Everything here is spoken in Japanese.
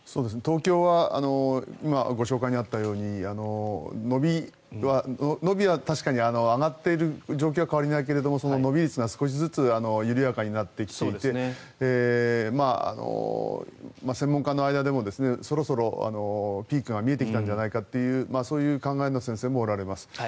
東京は今、ご紹介にあったように伸びは確かに上がっている状況は変わりないけれどもその伸び率が少しずつ緩やかになってきていて専門家の間でもそろそろピークが見えてきたんじゃないかというそういう考えの先生もおられます。